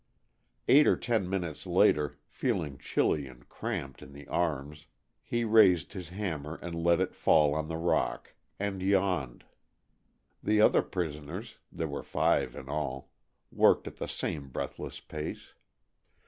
Eight or ten minutes later, feeling chilly and cramped in the arms, he raised his hammer and let it fall on the rock, and yawned! The other prisoners there were five in all worked at the same breathless pace.